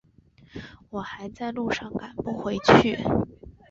我还在路上赶不回去